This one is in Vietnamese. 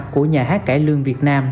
của nhà hát cải lương việt nam